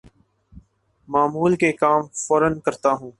معمول کے کام فورا کرتا ہوں